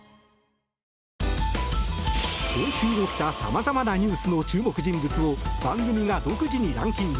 今週起きたさまざまなニュースの注目人物を番組が独自にランキング。